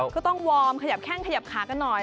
ก็ต้องวอร์มขยับแข้งขยับขากันหน่อย